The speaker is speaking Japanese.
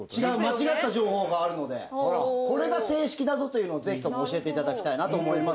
間違った情報があるのでこれが正式だぞというのをぜひとも教えていただきたいなと思います。